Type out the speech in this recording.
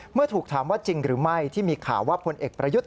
เมื่อถูกถามว่าจริงหรือไม่ที่มีข่าวว่าพลเอกประยุทธ์